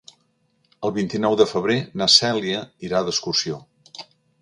El vint-i-nou de febrer na Cèlia irà d'excursió.